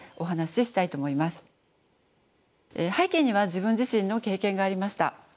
背景には自分自身の経験がありました。